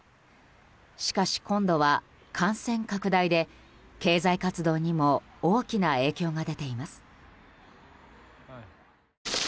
しかし今度は感染拡大で経済活動にも大きな影響が出ています。